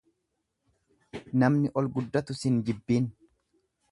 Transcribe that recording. Namni ol guddatu sin jibbiin.